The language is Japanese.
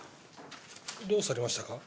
どうされましたか？